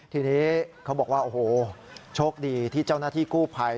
ทีนี้เขาบอกว่าโอ้โหโชคดีที่เจ้าหน้าที่กู้ภัย